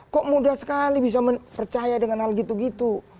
kok mudah sekali bisa percaya dengan hal gitu gitu